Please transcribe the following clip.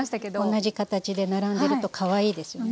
同じ形で並んでるとかわいいですよね。